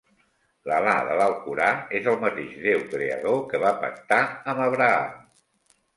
L'Allah de l'Alcorà és el mateix Déu creador que va pactar amb Abraham".